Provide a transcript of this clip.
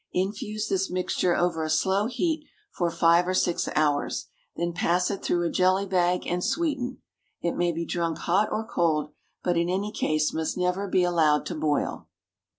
Infuse this mixture over a slow heat for five or six hours, then pass it through a jelly bag, and sweeten. It may be drunk hot or cold, but in any case must never be allowed to boil.